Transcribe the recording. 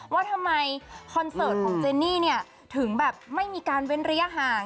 ว่าทำไมคอนเสิร์ตของเจนี่เนี่ยถึงแบบไม่มีการเว้นระยะห่าง